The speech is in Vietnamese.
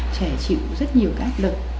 trẻ chịu rất nhiều cái áp lực